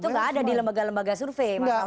itu gak ada di lembaga lembaga survei masalahnya